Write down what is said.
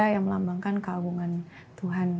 yang melambangkan keabungan tuhan